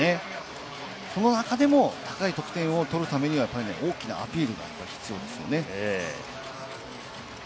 その中でも高い得点を取るためには、大きなアピールが必要なんですよね。